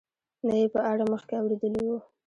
نه یې په اړه مخکې اورېدلي وو.